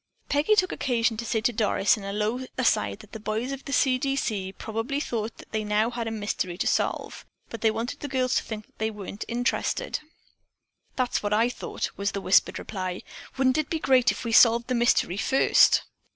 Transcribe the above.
Peggy took occasion to say to Doris in a low aside that the boys of the "C. D. C." probably thought they now had a mystery to solve, but they wanted the girls to think that they weren't interested. "That's what I thought," was the whispered reply. "Wouldn't it be great if we solved the mystery first?"